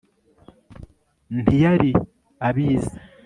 ntiyari abizi